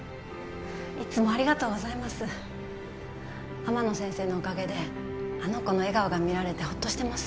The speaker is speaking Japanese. いつもありがとうございます天野先生のおかげであの子の笑顔が見られてホッとしてます